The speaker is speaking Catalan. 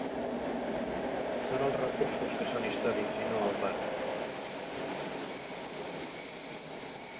Són els recursos que són històrics i no el parc.